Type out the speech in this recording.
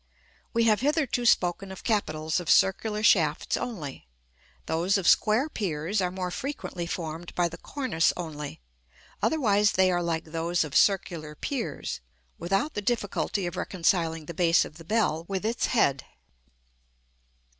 We have hitherto spoken of capitals of circular shafts only: those of square piers are more frequently formed by the cornice only; otherwise they are like those of circular piers, without the difficulty of reconciling the base of the bell with its head.